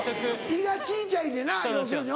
胃が小ちゃいねんな要するに。